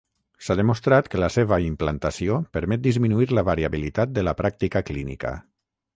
S'ha demostrat que la seva implantació permet disminuir la variabilitat de la pràctica clínica.